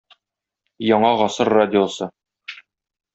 "Яңа гасыр" радиосы